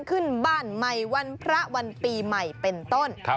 ขึ้นบ้านใหม่วันพระวันปีใหม่เป็นต้น